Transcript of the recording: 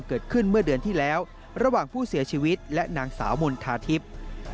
เกิดขึ้นเมื่อเดือนที่แล้วระหว่างผู้เสียชีวิตและนางสาวมณฑาทิพย์